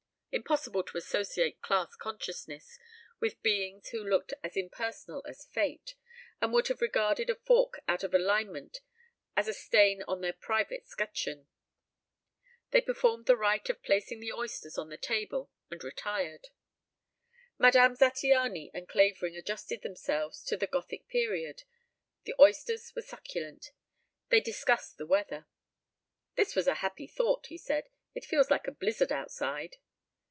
Impossible to associate class consciousness with beings who looked as impersonal as fate, and would have regarded a fork out of alignment as a stain on their private 'scutcheon. They performed the rite of placing the oysters on the table and retired. Madame Zattiany and Clavering adjusted themselves to the Gothic period. The oysters were succulent. They discussed the weather. "This was a happy thought," he said. "It feels like a blizzard outside."